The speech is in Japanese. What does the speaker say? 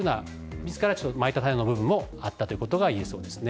自らまいた種の部分もあったということが言えそうですね。